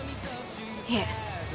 いえ